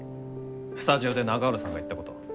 スタジオで永浦さんが言ったこと。